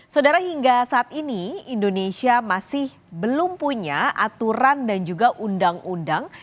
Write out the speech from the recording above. saudara hingga saat ini indonesia masih belum punya aturan dan juga undang undang